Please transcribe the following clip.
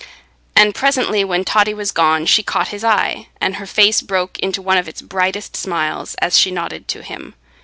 And presently, when Totty was gone, she caught his eye, and her face broke into one of its brightest smiles, as she nodded to him.